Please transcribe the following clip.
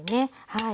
はい。